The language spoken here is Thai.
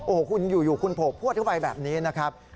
โอ้โหคุณอยู่คุณโผล่พวดเข้าไปแบบนี้นะครับ